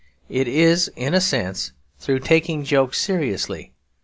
It is in a sense through taking jokes seriously.